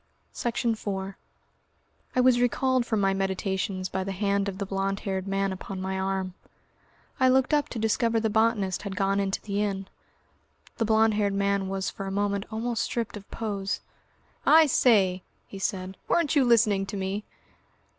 Section 4 I was recalled from my meditations by the hand of the blond haired man upon my arm. I looked up to discover the botanist had gone into the inn. The blond haired man was for a moment almost stripped of pose. "I say," he said. "Weren't you listening to me?"